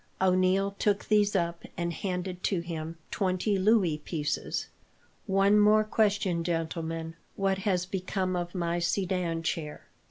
O'Neil took these up, and handed to him twenty louis pieces. "One more question, gentlemen. What has become of my sedan chair?"